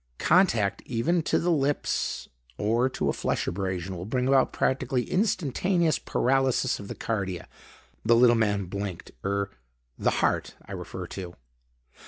Contact, even to the lips or to a flesh abrasion will bring about practically instantaneous paralysis of the cardia." The little man blinked. "Er the heart, I refer to.